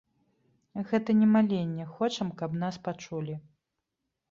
Гэта не маленне, хочам, каб нас пачулі.